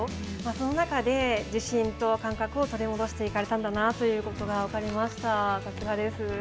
その中で自信と感覚を取り戻していかれたんだなということが分かりました。